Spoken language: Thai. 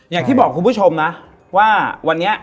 อยากที่บอกคุณผู้ชมนะว่าเธอไม่จึงอาจ้าง